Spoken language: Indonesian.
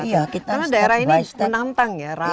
iya kita sudah berada di daerah tertinggal di tahun dua ribu dua belas